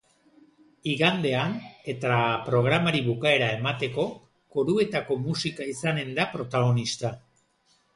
Igandean, eta programari bukaera emateko, koruetako musika izanen da protagonista.